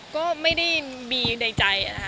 ก็ไม่ได้วินใจ